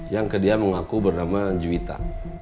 yang dia mengaku bernama juwita